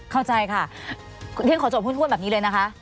เข้าใจค่ะเรียนขอจบถ้วนแบบนี้เลยนะคะ